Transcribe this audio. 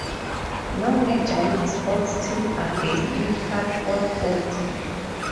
No major league sports teams are based in Harford County.